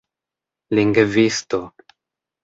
lingvisto